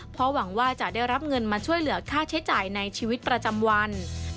เพราะหวังว่าจะได้รับเงินมาช่วยเหลือค่าใช้จ่ายในชีวิตประจำวัน